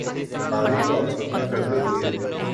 قاری کو افسردہ کر دیتی ہے